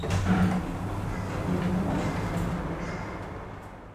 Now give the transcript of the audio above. Na me I be carry am.